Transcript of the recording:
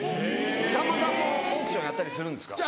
さんまさんもオークションやったりするんですか？